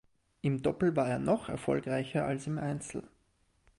Im Doppel war er noch erfolgreicher als im Einzel.